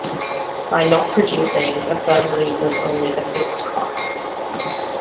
By not producing, the firm loses only the fixed costs.